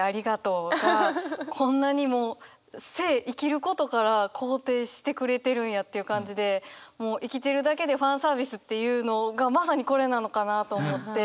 こんなにも生生きることから肯定してくれてるんやっていう感じでもう生きてるだけでファンサービスっていうのがまさにこれなのかなと思って。